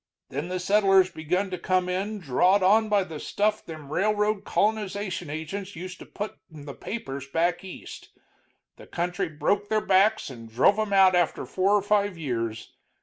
Then the settlers begun to come in, drawed on by the stuff them railroad colonization agents used to put in the papers back East. The country broke their backs and drove 'em out after four or five years.